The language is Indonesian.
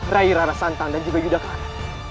rai rarasantang dan juga yudhakara